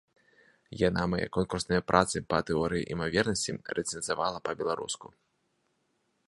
Яна мае конкурсныя працы па тэорыі імавернасці рэцэнзавала па-беларуску.